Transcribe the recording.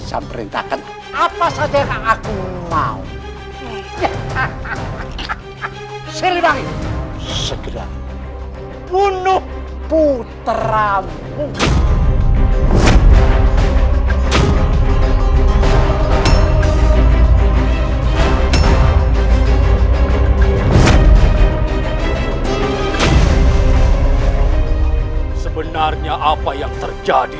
jelas jelas aku merasakannya sendiri